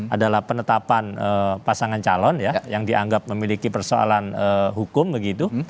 adalah penetapan pasangan calon ya yang dianggap memiliki persoalan hukum begitu